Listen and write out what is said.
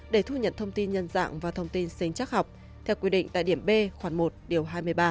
để thu nhận thông tin nhân dạng và thông tin sinh chắc học theo quy định tại điểm b khoảng một điều hai mươi ba